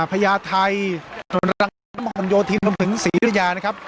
พญาไทยน้ำห่อนโยธินทำถึงศรีรัยานะครับ